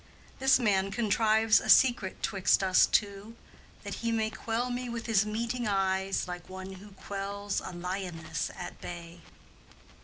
This man contrives a secret 'twixt us two, That he may quell me with his meeting eyes Like one who quells a lioness at bay.